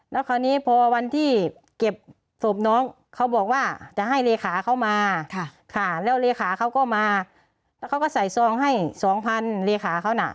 แล้วคราวนี้พอวันที่เก็บศพน้องเขาบอกว่าจะให้เลขาเขามาแล้วเลขาเขาก็มาแล้วเขาก็ใส่ซองให้๒๐๐เลขาเขาน่ะ